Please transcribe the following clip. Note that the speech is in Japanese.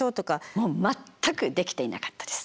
もう全くできていなかったです。